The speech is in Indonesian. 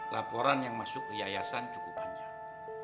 laporan yang masuk ke yayasan cukup panjang